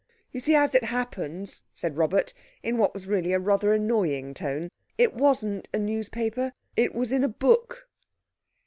"You see, as it happens," said Robert, in what was really a rather annoying tone, "it wasn't a newspaper, it was in a book."